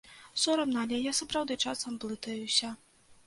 Сорамна, але я сапраўды часам блытаюся.